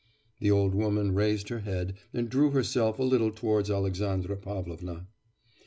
The old woman raised her head and drew herself a little towards Alexandra Pavlovna.